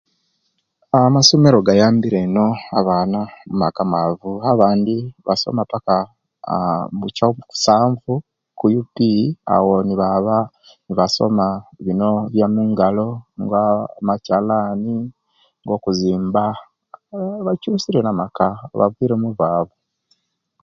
Aa amasomero gayambire inu abaana abamumaka amaavu, abandi basoma paka aa mukya musanvu ku UPE, awoo nibaaba nibaasoma nebyomungalo nga makyalaani, okuzimba, mm bakyusirye namaka, baviire nomuwaavu.